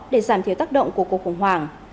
để giảm thiếu tác động của cuộc khủng hoảng